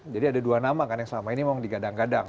jadi ada dua nama kan yang selama ini memang digadang gadang